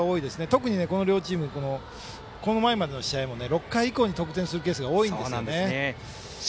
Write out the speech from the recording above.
特に、この両チームこの前までの試合６回以降に得点するケースが多いんです。